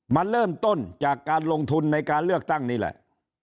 มันเริ่มต้นจากการลงทุนในการเลือกตั้งนี่แหละ